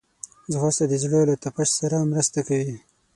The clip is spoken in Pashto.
ځغاسته د زړه له تپش سره مرسته کوي